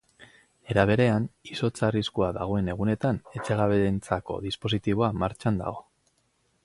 Era berean, izotz arriskua dagoen egunetan etxegabeentzako dispositiboa martxan dago.